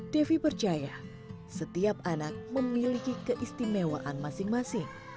devi percaya setiap anak memiliki keistimewaan masing masing